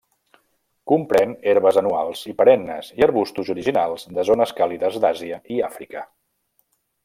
Comprèn herbes anuals i perennes i arbusts originaris de zones càlides d'Àsia i Àfrica.